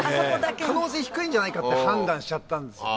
可能性低いんじゃないかって判断しちゃったんですよね。